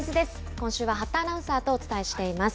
今週は八田アナウンサーとお伝えしています。